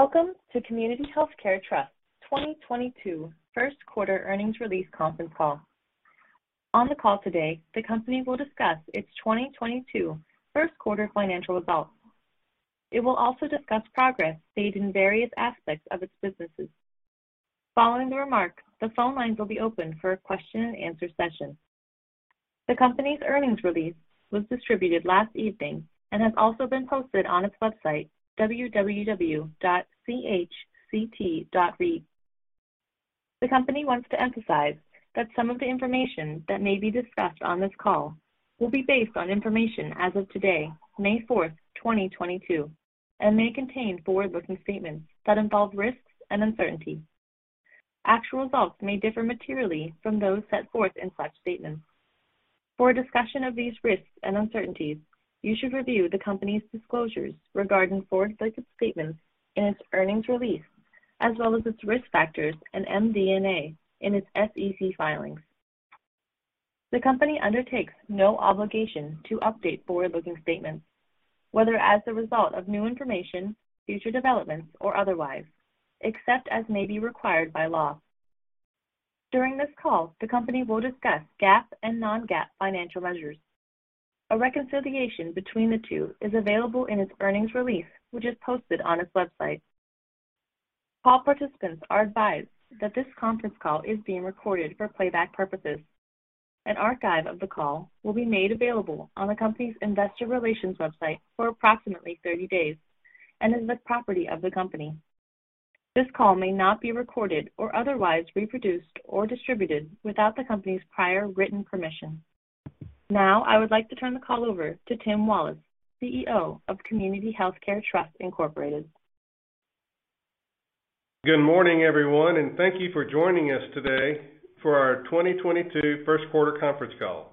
Welcome to Community Healthcare Trust 2022 Q1 release conference call. On the call today, the company will discuss its 2022 Q1 Financial Results. It will also discuss progress made in various aspects of its businesses. Following the remarks, the phone lines will be open for a question-and-answer session. The company's earnings release was distributed last evening and has also been posted on its website, www.chct.reit. The company wants to emphasize that some of the information that may be discussed on this call will be based on information as of today, 4 May 2022 and may contain forward-looking statements that involve risks and uncertainties. Actual results may differ materially from those set forth in such statements. For a discussion of these risks and uncertainties, you should review the company's disclosures regarding forward-looking statements in its earnings release, as well as its risk factors and MD&A in its SEC filings. The company undertakes no obligation to update forward-looking statements, whether as a result of new information, future developments, or otherwise, except as may be required by law. During this call, the company will discuss GAAP and non-GAAP financial measures. A reconciliation between the two is available in its earnings release, which is posted on its website. Call participants are advised that this conference call is being recorded for playback purposes. An archive of the call will be made available on the company's investor relations website for approximately 30 days and is the property of the company. This call may not be recorded or otherwise reproduced or distributed without the company's prior written permission. Now, I would like to turn the call over to Tim Wallace, CEO of Community Healthcare Trust, Incorporated. Good morning, everyone and thank you for joining us today for our 2022 Q1 conference call.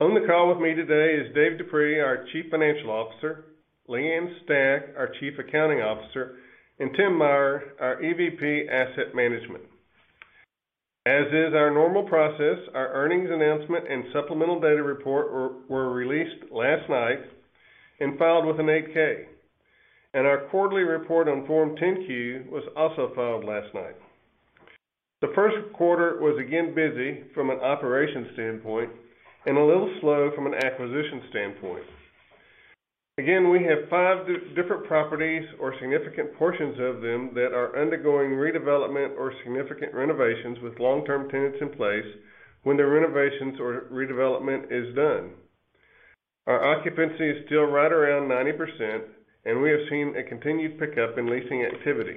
On the call with me today is Dave Dupuy, our Chief Financial Officer, Leanne Stach, our Chief Accounting Officer, and Tim Meyer, our EVP, Asset Management. As is our normal process, our earnings announcement and supplemental data report were released last night and filed with an 8-K, and our quarterly report on Form 10-Q was also filed last night. The Q1 was again busy from an operations standpoint and a little slow from an acquisition standpoint. Again, we have five different properties or significant portions of them that are undergoing redevelopment or significant renovations with long-term tenants in place when the renovations or redevelopment is done. Our occupancy is still right around 90%, and we have seen a continued pickup in leasing activity.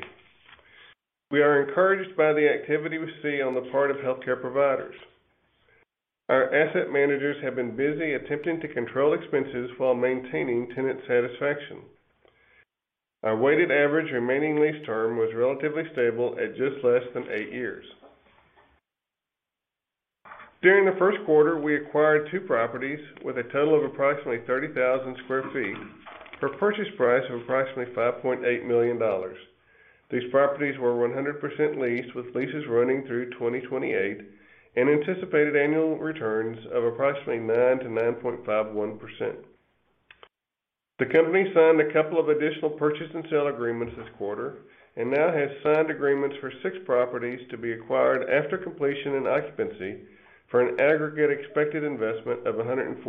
We are encouraged by the activity we see on the part of healthcare providers. Our asset managers have been busy attempting to control expenses while maintaining tenant satisfaction. Our weighted average remaining lease term was relatively stable at just less than eight years. During the Q1, we acquired 2 properties with a total of approximately 30,000 sq. ft. For purchase price of approximately $5.8 million. These properties were 100% leased, with leases running through 2028 and anticipated annual returns of approximately 9%-9.51%. The company signed a couple of additional purchase and sale agreements this quarter and now has signed agreements for 6 properties to be acquired after completion and occupancy for an aggregate expected investment of $141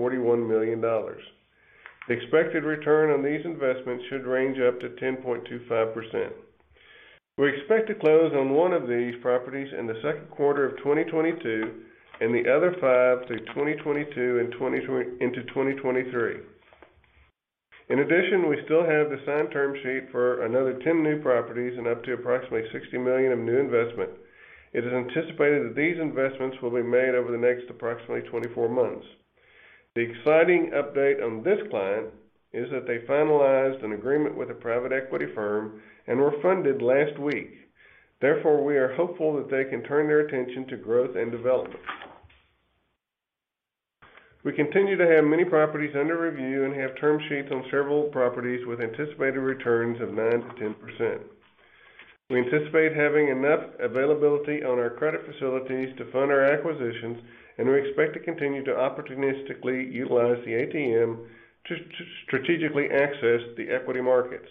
million. The expected return on these investments should range up to 10.25%. We expect to close on one of these properties in the Q2 of 2022 and the other five through 2022 into 2023. In addition, we still have the signed term sheet for another 10 new properties and up to approximately $60 million of new investment. It is anticipated that these investments will be made over the next approximately 24 months. The exciting update on this client is that they finalized an agreement with a private equity firm and were funded last week. Therefore, we are hopeful that they can turn their attention to growth and development. We continue to have many properties under review and have term sheets on several properties with anticipated returns of 9%-10%. We anticipate having enough availability on our credit facilities to fund our acquisitions and we expect to continue to opportunistically utilize the ATM to strategically access the equity markets.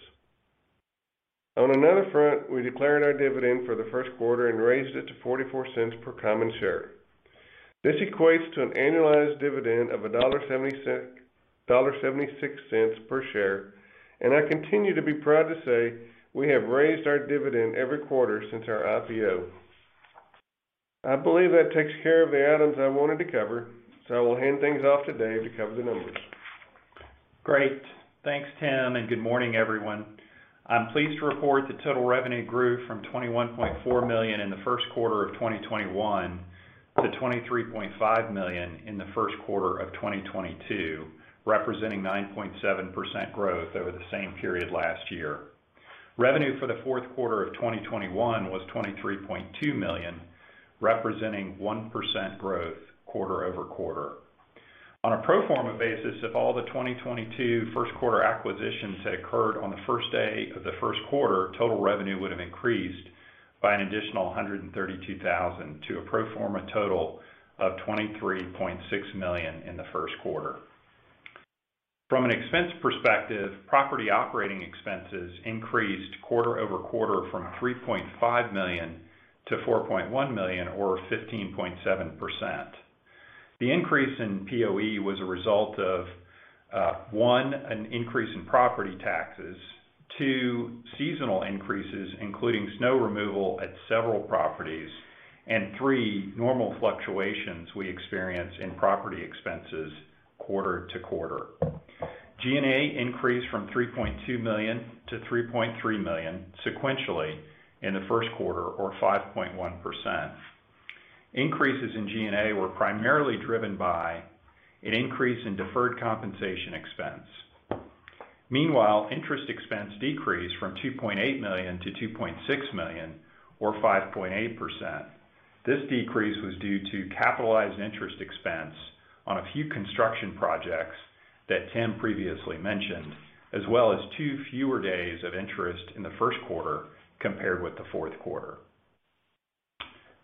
On another front, we declared our dividend for the Q1 and raised it to $0.44 per common share. This equates to an annualized dividend of $1.76 per share, and I continue to be proud to say we have raised our dividend every quarter since our IPO. I believe that takes care of the items I wanted to cover, so I will hand things off to Dave to cover the numbers. Great. Thanks, Tim and good morning, everyone. I'm pleased to report that total revenue grew from $21.4 million in the Q1 of 2021 to $23.5 million in the Q1 of 2022, representing 9.7% growth over the same period last year. Revenue for the Q4 of 2021 was $23.2 million, representing 1% growth quarter-over-quarter. On a pro forma basis, if all the 2022 Q1 acquisitions had occurred on the first day of the Q1, total revenue would have increased by an additional $132,000 to a pro forma total of $23.6 million in the Q1. From an expense perspective, property operating expenses increased quarter-over-quarter from $3.5 million to 4.1 million or 15.7%. The increase in POE was a result of, one, an increase in property taxes, two, seasonal increases, including snow removal at several properties, and three, normal fluctuations we experience in property expenses quarter-to-quarter. G&A increased from $3.2 million to 3.3 million sequentially in the Q1 or 5.1%. Increases in G&A were primarily driven by an increase in deferred compensation expense. Meanwhile, interest expense decreased from $2.8 million to 2.6 million or 5.8%. This decrease was due to capitalized interest expense on a few construction projects that Tim previously mentioned, as well as two fewer days of interest in the Q1 compared with the Q4.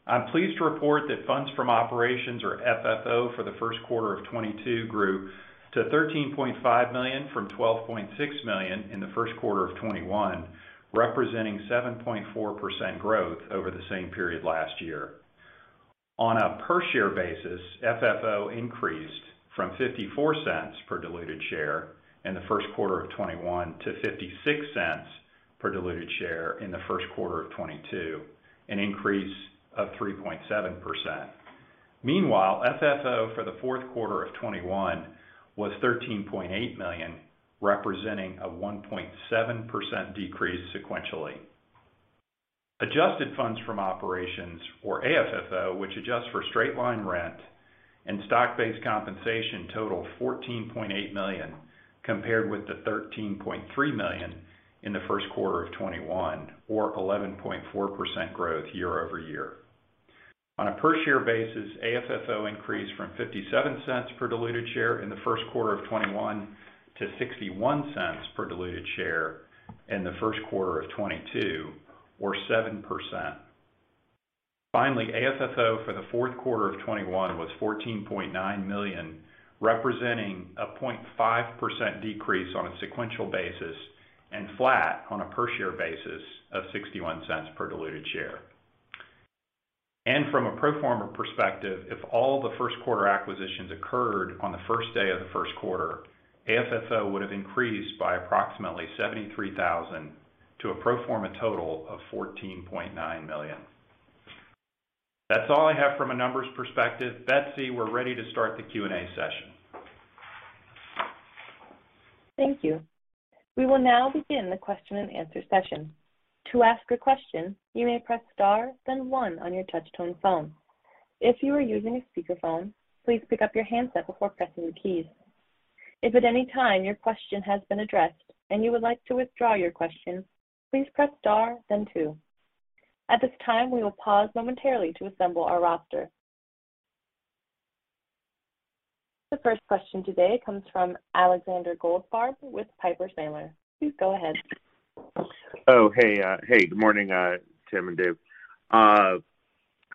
I'm pleased to report that funds from operations or FFO for the Q1 of 22 grew to $13.5 million from $12.6 million in the Q1 of 21, representing 7.4% growth over the same period last year. On a per share basis, FFO increased from $0.54 per diluted share in the Q1 of 21 to $0.56 per diluted share in the Q1 of 22, an increase of 3.7%. Meanwhile, FFO for the Q4 of 21 was $13.8 million, representing a 1.7% decrease sequentially. Adjusted Funds from Operations or AFFO, which adjusts for straight-line rent and stock-based compensation, totaled $14.8 million compared with the $13.3 million in the Q1 of 21 or 11.4% growth year-over-year. On a per share basis, AFFO increased from $0.57 per diluted share in the Q1 of 21 to $0.61 per diluted share in the Q1 of 22 or 7%. Finally, AFFO for the Q4 of 21 was $14.9 million, representing a 0.5% decrease on a sequential basis and flat on a per share basis of $0.61 per diluted share. From a pro forma perspective, if all the Q1 acquisitions occurred on the first day of the Q1, AFFO would have increased by approximately $73,000 to a pro forma total of $14.9 million. That's all I have from a numbers perspective. Betsy, we're ready to start the Q&A session. Thank you. We will now begin the question and answer session. To ask a question, you may press star then one on your touch tone phone. If you are using a speakerphone, please pick up your handset before pressing the keys. If at any time your question has been addressed and you would like to withdraw your question, please press star then two. At this time, we will pause momentarily to assemble our roster. The first question today comes from Alexander Goldfarb with Piper Sandler. Please go ahead. Hey, good morning, Tim and Dave.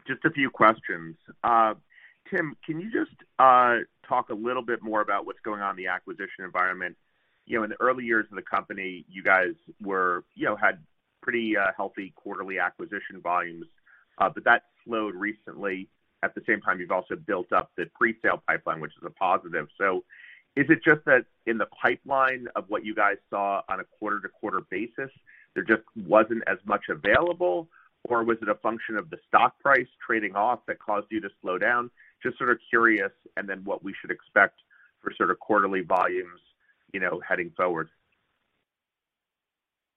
Just a few questions. Tim, can you just talk a little bit more about what's going on in the acquisition environment? You know, in the early years of the company, you guys were, you know, had pretty healthy quarterly acquisition volumes, but that slowed recently. At the same time, you've also built up the presale pipeline, which is a positive. So is it just that in the pipeline of what you guys saw on a quarter-to-quarter basis, there just wasn't as much available, or was it a function of the stock price trading off that caused you to slow down? Just sort of curious, and then what we should expect for sort of quarterly volumes, you know, heading forward.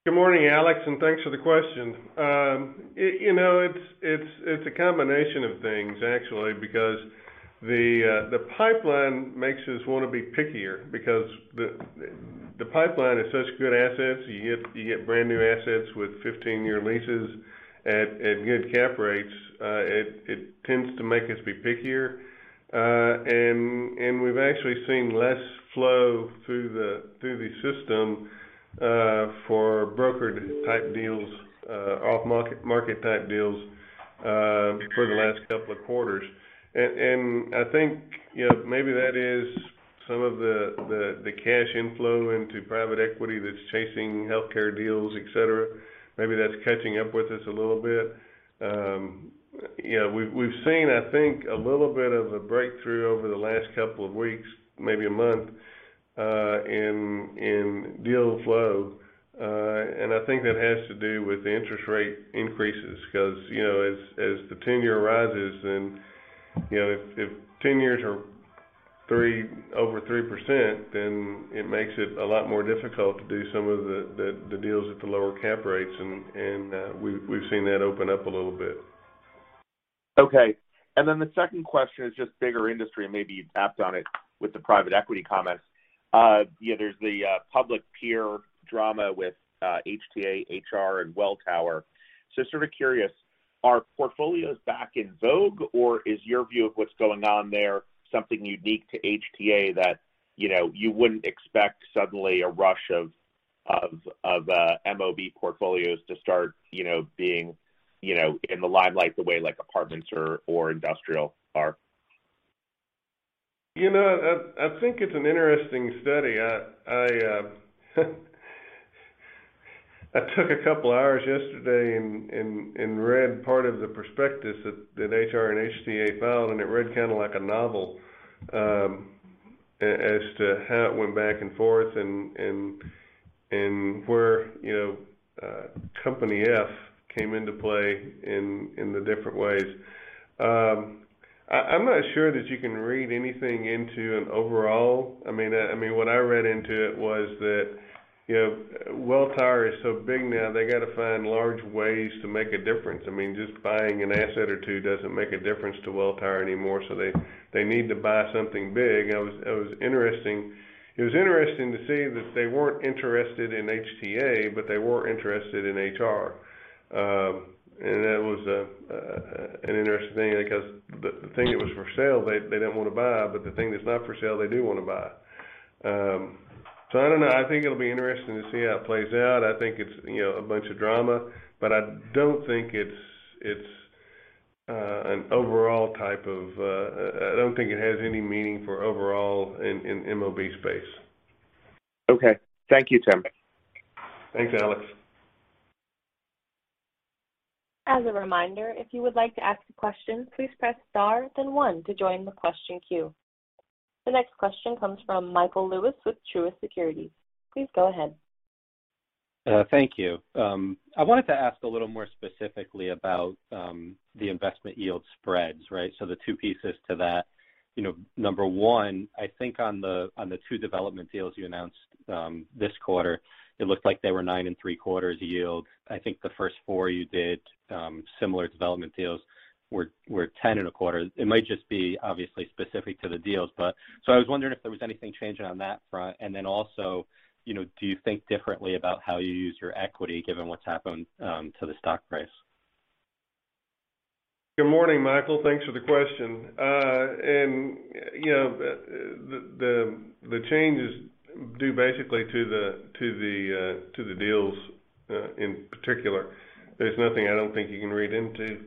Good morning, Alex and thanks for the question. You know, it's a combination of things actually, because the pipeline makes us wanna be pickier because the pipeline is such good assets. You get brand new assets with 15-year leases at good cap rates. It tends to make us be pickier. We've actually seen less flow through the system for brokered type deals, off market type deals, for the last couple of quarters. I think, you know, maybe that is some of the cash inflow into private equity that's chasing healthcare deals, et cetera. Maybe that's catching up with us a little bit. You know, we've seen, I think, a little bit of a breakthrough over the last couple of weeks, maybe a month, in deal flow. I think that has to do with the interest rate increases 'cause, you know, as the 10-year rises, then, you know, if 10 years are over 3%, then it makes it a lot more difficult to do some of the deals at the lower cap rates, and we've seen that open up a little bit. Okay and then the second question is just bigger industry, and maybe you tapped on it with the private equity comments. You know, there's the public peer drama with HTA, HR, and Welltower. Sort of curious, are portfolios back in vogue, or is your view of what's going on there something unique to HTA that, you know, you wouldn't expect suddenly a rush of, of MOB portfolios to start, you know, being you know in the limelight the way like apartments or industrial are. You know, I think it's an interesting study. I took a couple of hours yesterday and read part of the prospectus that HR and HTA file and it read kinda like a novel, as to how it went back and forth and where company F came into play in the different ways. I'm not sure that you can read anything into an overall. I mean, what I read into it was that, you know, Welltower is so big now they gotta find large ways to make a difference. I mean, just buying an asset or two doesn't make a difference to Welltower anymore, so they need to buy something big. It was interesting. It was interesting to see that they weren't interested in HTA, but they were interested in HR. That was an interesting thing because the thing that was for sale, they didn't wanna buy, but the thing that's not for sale, they do wanna buy. I don't know. I think it'll be interesting to see how it plays out. I think it's, you know, a bunch of drama, but I don't think it's an overall type of. I don't think it has any meaning for overall in MOB space. Okay. Thank you, Tim. Thanks, Alex. As a reminder, if you would like to ask a question, please press star then one to join the question queue. The next question comes from Michael Lewis with Truist Securities. Please go ahead. Thank you. I wanted to ask a little more specifically about the investment yield spreads, right? The two pieces to that. You know, number one, I think on the 2 development deals you announced this quarter, it looked like they were 9.75 yield. I think the first 4 you did similar development deals were 10.25. It might just be obviously specific to the deals. I was wondering if there was anything changing on that front. Also, you know, do you think differently about how you use your equity given what's happened to the stock price? Good morning, Michael. Thanks for the question. You know, the change is due basically to the deals in particular. There's nothing I don't think you can read into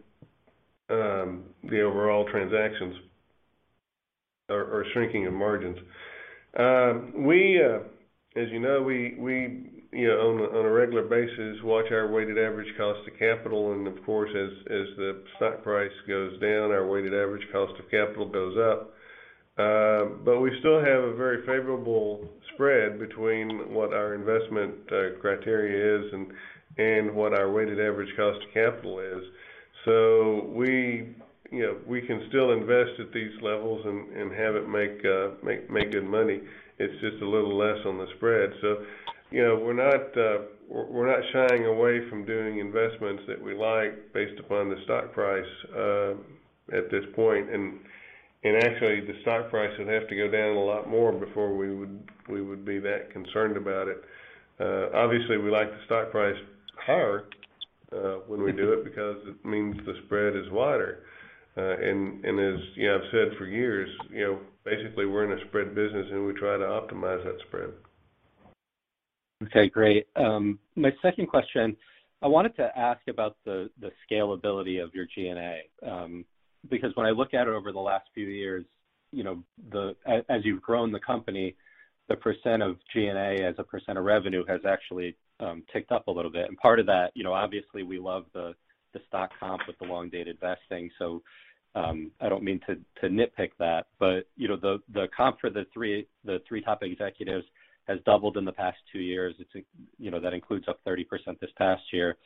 the overall transactions or shrinking of margins. As you know, we, you know, on a regular basis watch our weighted average cost of capital. Of course, as the stock price goes down, our weighted average cost of capital goes up. We still have a very favorable spread between what our investment criteria is and what our weighted average cost of capital is. We, you know, we can still invest at these levels and have it make good money. It's just a little less on the spread, so. You know, we're not shying away from doing investments that we like based upon the stock price at this point. Actually, the stock price would have to go down a lot more before we would be that concerned about it. Obviously, we like the stock price higher when we do it because it means the spread is wider. As you know, I've said for years, you know, basically we're in a spread business, and we try to optimize that spread. Okay, great. My second question, I wanted to ask about the scalability of your G&A. Because when I look at it over the last few years, you know, as you've grown the company, the percent of G&A as a percent of revenue has actually ticked up a little bit. Part of that, you know, obviously, we love the stock comp with the long-dated vesting, so, I don't mean to nitpick that, but, you know, the comp for the three top executives has doubled in the past two years. It's, you know, that includes up 30% this past year.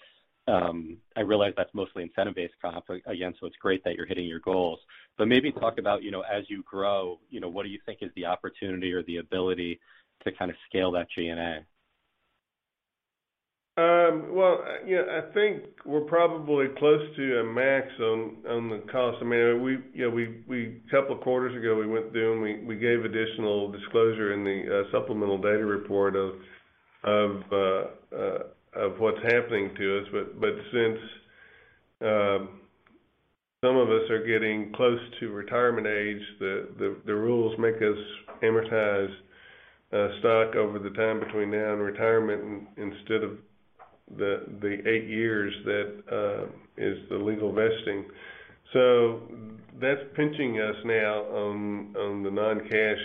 I realize that's mostly incentive-based comp, again, so it's great that you're hitting your goals. Maybe talk about, you know, as you grow, you know, what do you think is the opportunity or the ability to kind of scale that G&A? Well, you know, I think we're probably close to a max on the cost. I mean, you know, a couple quarters ago, we went through and gave additional disclosure in the supplemental data report of what's happening to us. Since some of us are getting close to retirement age, the rules make us amortize stock over the time between now and retirement instead of the 8 years that is the legal vesting. That's pinching us now on the non-cash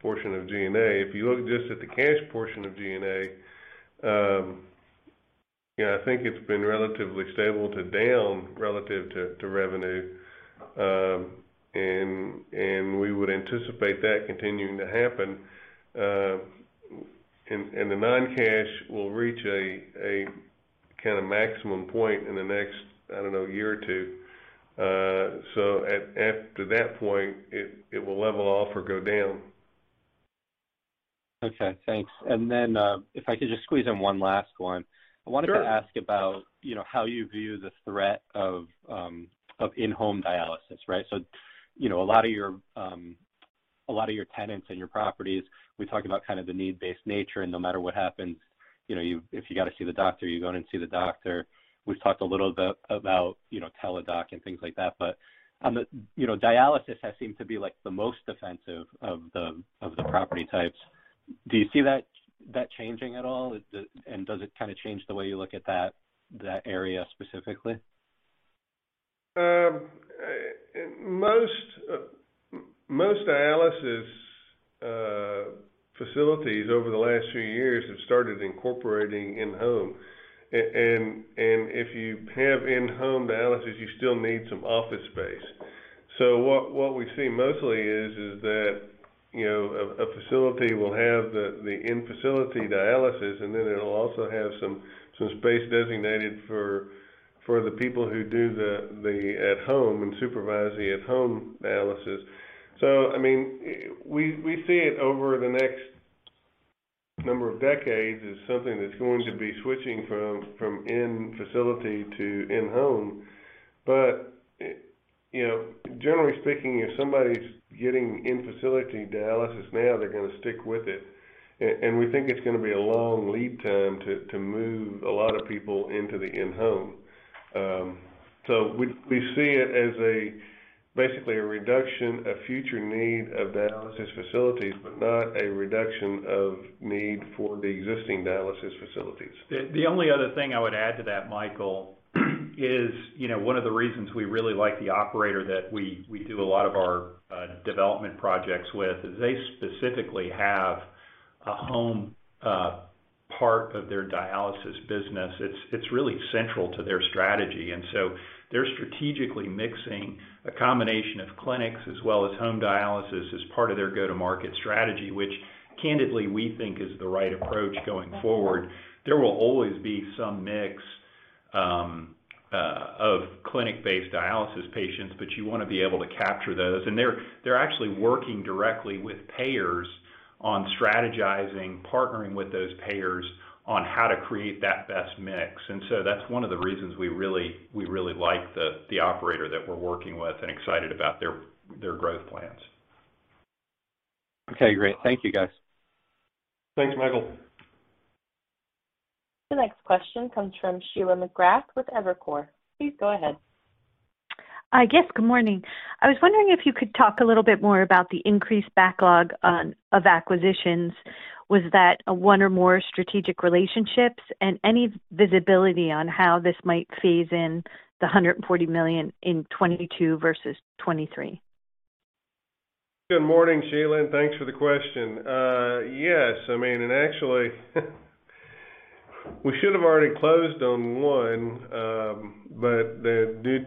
portion of G&A. If you look just at the cash portion of G&A, you know, I think it's been relatively stable to down relative to revenue. We would anticipate that continuing to happen. The non-cash will reach a kinda maximum point in the next, I don't know, year or two. After that point, it will level off or go down. Okay, thanks. If I could just squeeze in one last one. Sure. I wanted to ask about, you know, how you view the threat of in-home dialysis, right? You know, a lot of your tenants in your properties, we talk about kind of the need-based nature, and no matter what happens, you know, if you gotta see the doctor, you're going to see the doctor. We've talked a little bit about, you know, Teladoc and things like that. But on the, you know, dialysis has seemed to be, like, the most defensive of the property types. Do you see that changing at all? Does it kinda change the way you look at that area specifically? Most dialysis facilities over the last few years have started incorporating in-home. If you have in-home dialysis, you still need some office space. What we see mostly is that, you know, a facility will have the in-facility dialysis, and then it'll also have some space designated for the people who do the at-home and supervise the at-home dialysis. I mean, we see it over the next number of decades as something that's going to be switching from in-facility to in-home. You know, generally speaking, if somebody's getting in-facility dialysis now, they're gonna stick with it. We think it's gonna be a long lead time to move a lot of people into the in-home. We see it as basically a reduction of future need of dialysis facilities, but not a reduction of need for the existing dialysis facilities. The only other thing I would add to that, Michael, is, you know, one of the reasons we really like the operator that we do a lot of our development projects with, is they specifically have a home part of their dialysis business. It's really central to their strategy. They're strategically mixing a combination of clinics as well as home dialysis as part of their go-to-market strategy, which candidly, we think is the right approach going forward. There will always be some mix of clinic-based dialysis patients, but you wanna be able to capture those. They're actually working directly with payers on strategizing, partnering with those payers on how to create that best mix and so that's one of the reasons we really like the operator that we're working with and excited about their growth plans. Okay, great. Thank you, guys. Thanks, Michael. The next question comes from Sheila McGrath with Evercore. Please go ahead. Yes, good morning. I was wondering if you could talk a little bit more about the increased backlog of acquisitions. Was that one or more strategic relationships? Any visibility on how this might phase in the $140 million in 22 versus 23. Good morning, Sheila, and thanks for the question. Yes, I mean, actually, we should have already closed on one. Due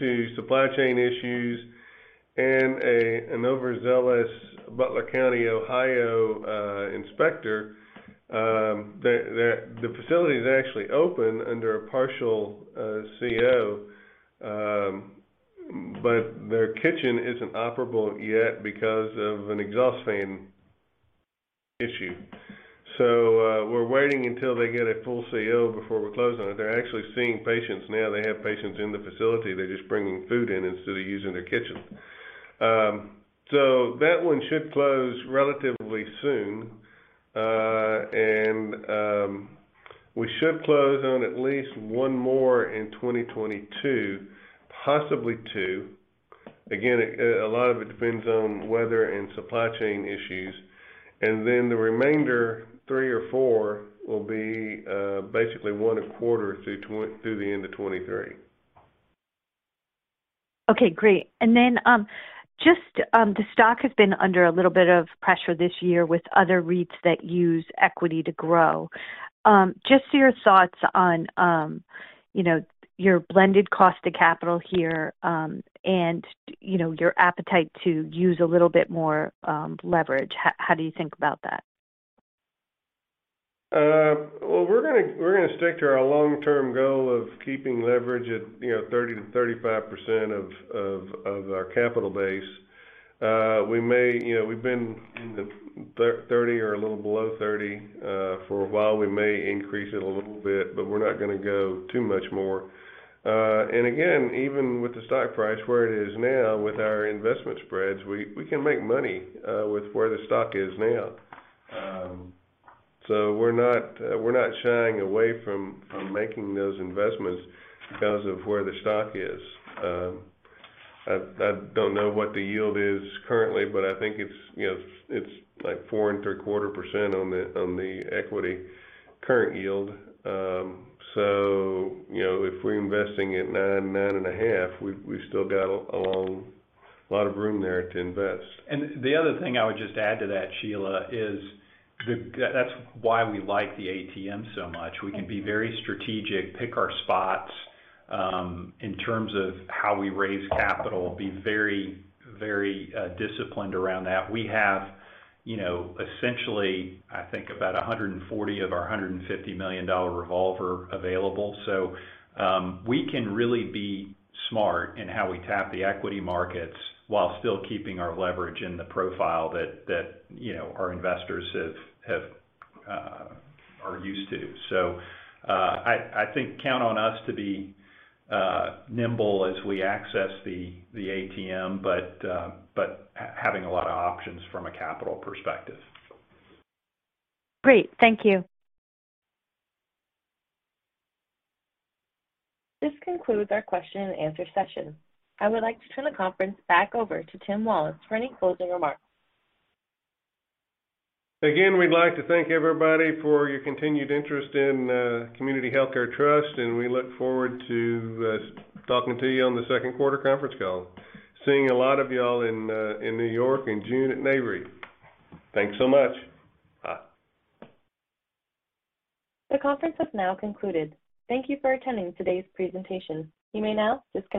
to supply chain issues and an overzealous Butler County, Ohio, inspector, the facility is actually open under a partial CO, but their kitchen isn't operable yet because of an exhaust fan issue. We're waiting until they get a full CO before we close on it. They're actually seeing patients now, they have patients in the facility. They're just bringing food in instead of using their kitchen. That one should close relatively soon. We should close on at least one more in 2022, possibly two. Again, a lot of it depends on weather and supply chain issues and then the remainder three or four will be basically one a quarter through the end of 23. Okay, great. Just the stock has been under a little bit of pressure this year with other REITs that use equity to grow. Just your thoughts on, you know, your blended cost of capital here, and, you know, your appetite to use a little bit more leverage. How do you think about that? Well, we're gonna stick to our long-term goal of keeping leverage at, you know, 30% to 35% of our capital base. You know, we've been in the 30 or a little below 30 for a while. We may increase it a little bit, but we're not gonna go too much more. And again, even with the stock price where it is now with our investment spreads, we can make money with where the stock is now. We're not shying away from making those investments because of where the stock is. I don't know what the yield is currently, but I think it's, you know, it's like 4.75% on the equity current yield. You know, if we're investing at 9-9.5, we've still got a lot of room there to invest. The other thing I would just add to that, Sheila, is that's why we like the ATM so much. Okay. We can be very strategic, pick our spots, in terms of how we raise capital, be very disciplined around that. We have, you know, essentially, I think, about 140 of our $150 million revolver available. We can really be smart in how we tap the equity markets while still keeping our leverage in the profile that, you know, our investors have are used to, so, I think count on us to be nimble as we access the ATM, but having a lot of options from a capital perspective. Great. Thank you. This concludes our question and answer session. I would like to turn the conference back over to Tim Wallace for any closing remarks. Again, we'd like to thank everybody for your continued interest in Community Healthcare Trust, and we look forward to talking to you on the Q2 Conference Call. Seeing a lot of y'all in New York in June at Nareit. Thanks so much. Bye. The conference has now concluded. Thank you for attending today's presentation. You may now disconnect.